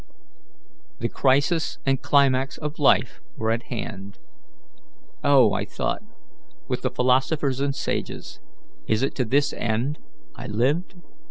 The crisis and climax of life were at hand. 'Oh!' I thought, with the philosophers and sages, 'is it to this end I lived?